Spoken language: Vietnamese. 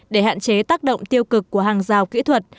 để hạn chế tác động tiêu cực của hàng rào kỹ thuật